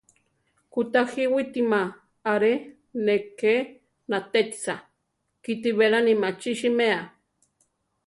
Kutajíwitima aré ne ké natétisa; kíti beláni machí siméa.